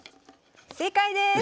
正解です！